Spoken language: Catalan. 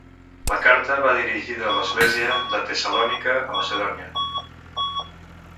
La carta va dirigida a l'Església de Tessalònica, a Macedònia.